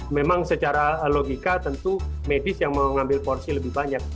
memang secara logika tentu medis yang mengambil porsi lebih banyak